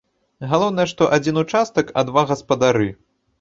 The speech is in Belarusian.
Галоўнае, што адзін участак, а два гаспадары!